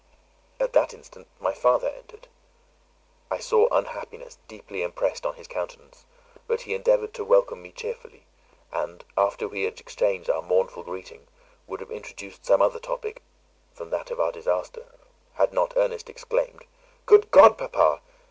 At that instant my father entered. I saw unhappiness deeply impressed on his countenance, but he endeavoured to welcome me cheerfully; and, after we had exchanged our mournful greeting, would have introduced some other topic than that of our disaster, had not Ernest exclaimed, "Good God, papa!